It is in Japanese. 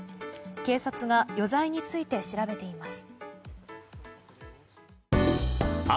警察が余罪について調べています。